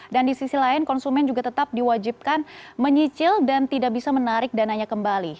dan di sisi lain konsumen juga tetap diwajibkan menyicil dan tidak bisa menarik dananya kembali